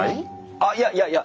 あっいやいやいや！